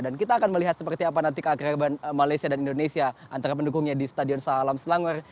dan kita akan melihat seperti apa nanti keagreban malaysia dan indonesia antara pendukungnya di stadion salam selangor